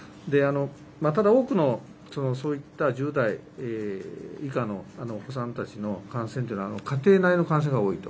ただ、多くのそういった１０代以下のお子さんたちの感染というのは、家庭内の感染が多いと。